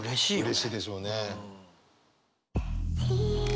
うれしいでしょうね。